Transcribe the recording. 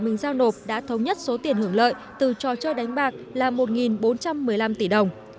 mình giao nộp đã thống nhất số tiền hưởng lợi từ trò chơi đánh bạc là một bốn trăm một mươi năm tỷ đồng